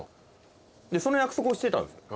でその約束をしてたんです。